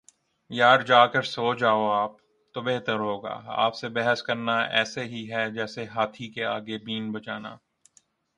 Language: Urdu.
یار جا کر سو جاﺅ آپ تو بہتر ہو گا، آپ سے بحث کرنا ایسے ہی ہے جسیے ہاتھی کے آگے بین بجانا